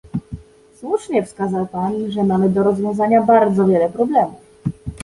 Słusznie wskazał Pan, że mamy do rozwiązania bardzo wiele problemów